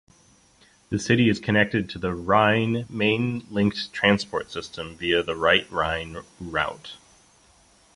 The city is connected to the Rhine Main linked transport system via the right Rhine route.